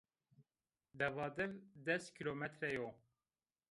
Devadev des kîlometre yo